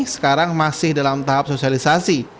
sekarang masih dalam tahap sosialisasi